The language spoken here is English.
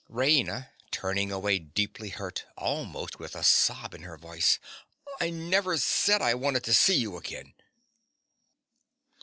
RAINA. (turning away deeply hurt, almost with a sob in her voice). I never said I wanted to see you again.